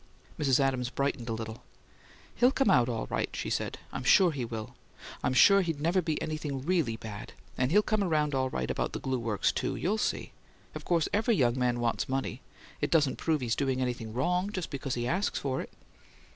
Mrs. Adams brightened a little. "He'll come out all right," she said. "I'm sure he will. I'm sure he'd never be anything really bad: and he'll come around all right about the glue works, too; you'll see. Of course every young man wants money it doesn't prove he's doing anything wrong just because he asks you for it."